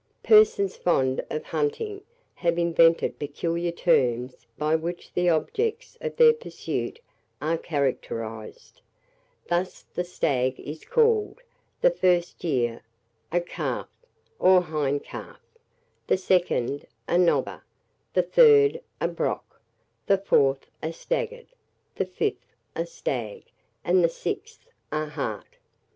Persons fond of hunting have invented peculiar terms by which the objects of their pursuit are characterized: thus the stag is called, the first year, a calf, or hind calf; the second, a knobber; the third, a brock; the fourth, a staggard; the fifth, a stag; and the sixth, a hart.